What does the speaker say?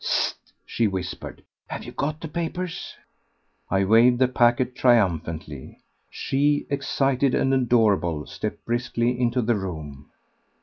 "Hist!" she whispered. "Have you got the papers?" I waved the packet triumphantly. She, excited and adorable, stepped briskly into the room.